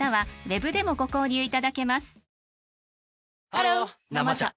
ハロー「生茶」